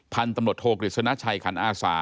พันธุ์ตำรวจโทกฤษณชัยขันอาสา